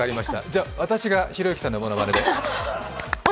じゃあ私がひろゆきさんのものまねです。